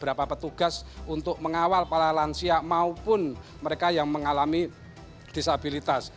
beberapa petugas untuk mengawal para lansia maupun mereka yang mengalami disabilitas